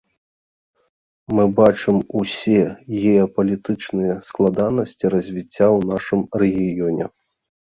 Мы бачым усе геапалітычныя складанасці развіцця ў нашым рэгіёне.